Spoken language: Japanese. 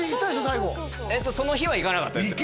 最後えっとその日は行かなかったです